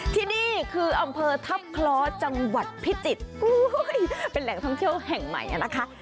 ที่นี่คืออำเภอทัพคล้อจังหวัดพิจิตรอเป็นแหล่งท่องเที่ยวแห่งใหม่นะคะ